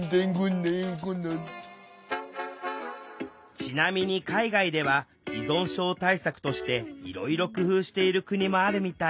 ちなみに海外では依存症対策としていろいろ工夫している国もあるみたい。